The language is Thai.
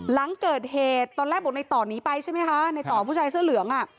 หลังเกิดเหตุตอนแรกบอกในต่อหนีไปใช่ไหมคะในต่อผู้ชายเสื้อเหลืองอ่ะ